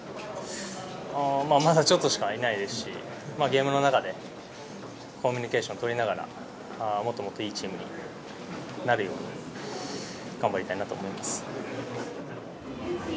まだちょっとしかいないですしゲームの中でコミュニケーションとりながらもっともっといいチームになるように頑張りたいなと思います。